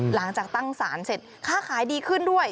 หลังจากตั้งสารเสร็จค่าขายดีขึ้นด้วย